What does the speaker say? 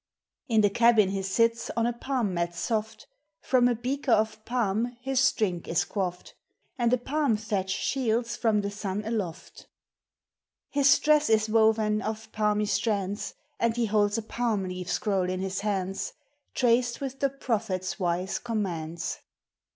In the cabin he sits on a palm mat soft, From a beaker of palm his drink is quaffed, And a palm thatch shields from the sun aloft! His dress is woven of palmy strands, And he holds a palm leaf scroll in his hands, Traced with the Prophet's wise commands